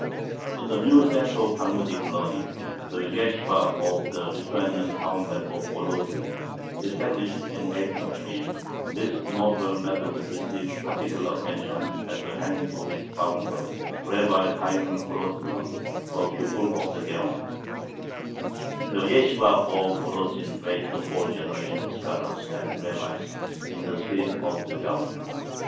In the new center of Talmudic learning, the yeshibah of the Lithuanian townlet of Volozhin, established in 1803, this novel method received particular attention at the hands of its founder, Rabbi Hayyim Volozhiner, a pupil of the Gaon. The yeshibah of Volozhin raised a whole generation of scholars and rabbis "in the spirit of the Gaon."